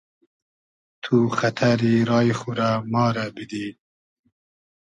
تو خئتئری رای خو رۂ ما رۂ بیدی